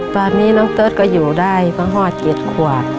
ตอนนี้น้องเติ๊ดก็อยู่ได้เพราะฮอดเก็ดขวด